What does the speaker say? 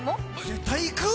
絶対行くぅ！